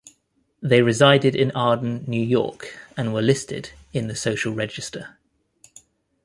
They resided in Arden, New York and were listed in the Social Register.